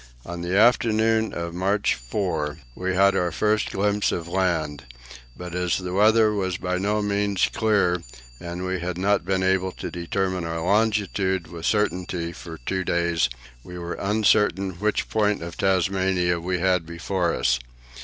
On the afternoon of March 4, we had our first glimpse of land; but, as the weather was by no means clear and we had not been able to determine our longitude with certainty for two days, we were uncertain which point of Tasmania we had before us.